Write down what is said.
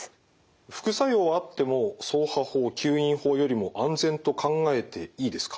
副作用あっても掻爬法吸引法よりも安全と考えていいですか？